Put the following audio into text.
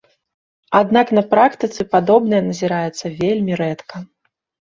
Аднак на практыцы падобнае назіраецца вельмі рэдка.